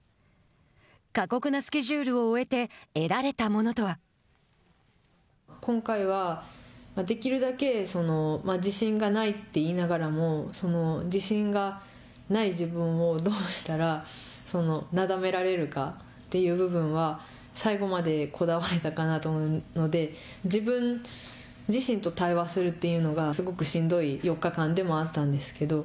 過酷なスケジュールを終えて今回は、できるだけ自信がないって言いながらも自信がない自分をどうしたらなだめられるかという部分は最後までこだわれたかなと思うので自分自身と対話するというのがすごくしんどい４日間でもあったんですけど。